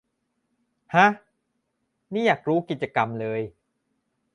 ห๊ะ นี่อยากรู้กิจกรรมเลย